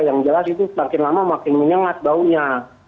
yang jelas itu semakin lama makin menyengat baunya